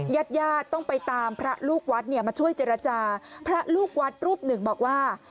ญาติญาติต้องไปตามพระลูกวัดเนี่ยมาช่วยเจรจาพระลูกวัดรูปหนึ่งบอกว่า